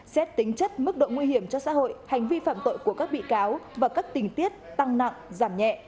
xét tính chất mức độ nguy hiểm cho xã hội hành vi phạm tội của các bị cáo và các tình tiết tăng nặng giảm nhẹ